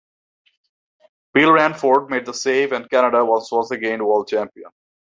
Bill Ranford made the save, and Canada was once again world champion.